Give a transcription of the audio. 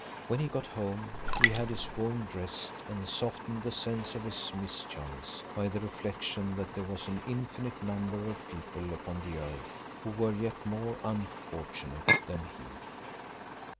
When he got home, he had his wound dressed, and softened the sense of his mischance by the reflection that there was an infinite number of people upon the earth, who were yet more unfortunate than he.